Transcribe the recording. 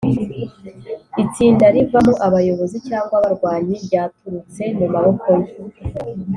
itsinda rivamo abayobozi cyangwa abarwanyi ryaturutse mu maboko ye.